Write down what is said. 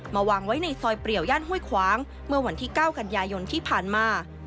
วางไว้ในซอยเปรียวย่านห้วยขวางเมื่อวันที่๙กันยายนที่ผ่านมา